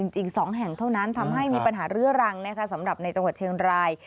จริง๒แห่งเท่านั้นทำให้มีปัญหาเรื้อรังสำหรับในจังหวัดเชียงราย